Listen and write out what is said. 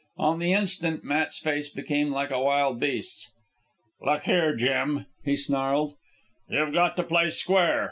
On the instant Matt's face became like a wild beast's. "Look here, Jim," he snarled. "You've got to play square.